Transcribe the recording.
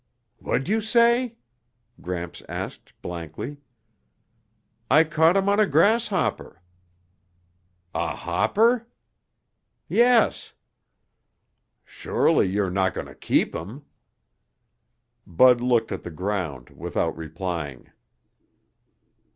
"What'd you say?" Gramps asked blankly. "I caught him on a grasshopper." "A hopper?" "Yes." "Surely you're not going to keep him?" Bud looked at the ground without replying.